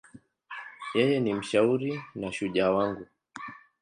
Yeye ni mshauri na shujaa wangu.